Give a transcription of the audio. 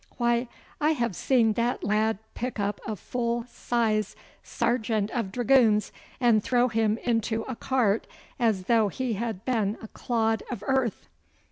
'Why, I have seen that lad pick up a full size sergeant of dragoons and throw him into a cart as though he had been a clod of earth.